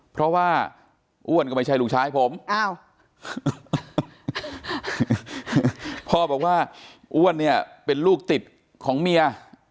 เพราะว่าอ้วนก็ไม่ใช่ลูกชายผมอ้าวพ่อบอกว่าอ้วนเนี่ยเป็นลูกติดของเมีย